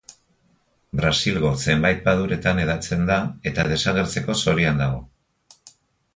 Brasilgo zenbait paduretan hedatzen da eta desagertzeko zorian dago.